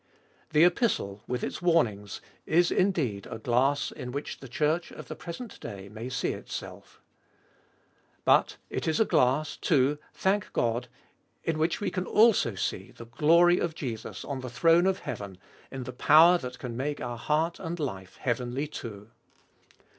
The Epistle, with its warnings, is indeed a glass in which the Church of the present day may see itself. But it is a glass too, thank God, in which we can also see tjoltest ot 2»l 27 the glory of Jesus on the throne of heaven, in the power that can make our heart and life heavenly too.